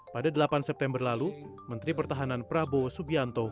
pada delapan september lalu menteri pertahanan prabowo subianto